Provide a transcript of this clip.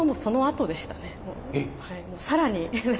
更に。